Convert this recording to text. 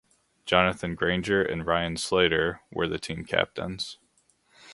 Jonathan Grainger and Ryan Slater were the team captains.